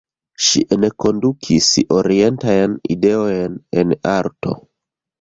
Ŝi enkondukis orientajn ideojn en arto.